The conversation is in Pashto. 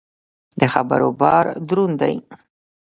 د خبرو بار دروند دی.